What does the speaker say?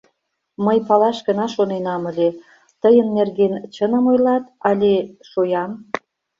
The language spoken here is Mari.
— Мый палаш гына шоненам ыле: тыйын нерген чыным ойлат, але... шоям.